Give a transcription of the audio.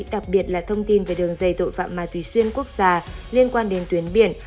đặc biệt là thông tin về đường dây tội phạm ma túy xuyên quốc gia liên quan đến tuyến biển